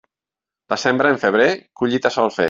La sembra en febrer, collita sol fer.